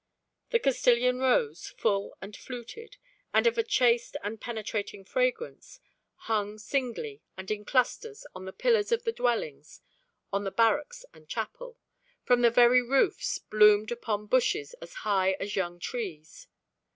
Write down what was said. The Castilian rose, full and fluted, and of a chaste and penetrating fragrance, hung singly and in clusters on the pillars of the dwellings, on the barracks and chapel, from the very roofs; bloomed upon bushes as high as young trees.